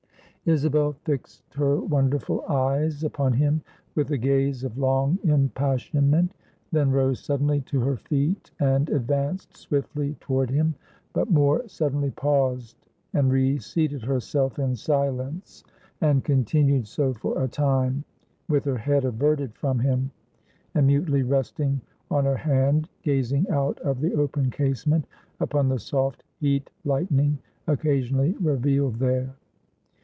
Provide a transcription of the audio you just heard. Isabel fixed her wonderful eyes upon him with a gaze of long impassionment; then rose suddenly to her feet, and advanced swiftly toward him; but more suddenly paused, and reseated herself in silence, and continued so for a time, with her head averted from him, and mutely resting on her hand, gazing out of the open casement upon the soft heat lightning, occasionally revealed there.